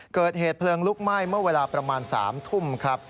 เกิดเหตุเพลิงลุกไหม้เมื่อเวลาประมาณ๓ทุ่มครับ